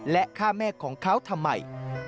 และฆ่าแม่ของเขาทำไม